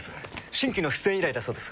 新規の出演依頼だそうです。